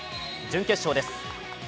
準決勝です。